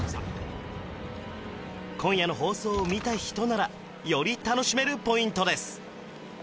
今夜の放送を見た人ならより楽しめるポイントです